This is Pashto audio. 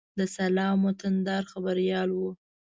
د سلام وطندار خبریال و.